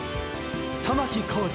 玉置浩二。